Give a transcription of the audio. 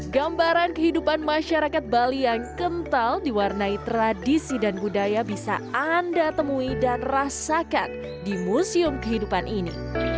gambaran kehidupan masyarakat bali yang kental diwarnai tradisi dan budaya bisa anda temui dan rasakan di museum kehidupan ini